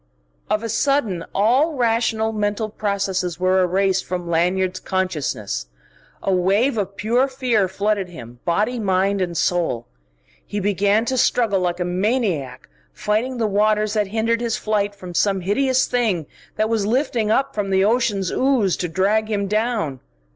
Of a sudden all rational mental processes were erased from Lanyard's consciousness. A wave of pure fear flooded him, body, mind, and soul. He began to struggle like a maniac, fighting the waters that hindered his flight from some hideous thing that was lifting up from the ocean's ooze to drag him down.